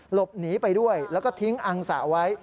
หลบหนีไปด้วยแล้วก็ทิ้งอังสะไว้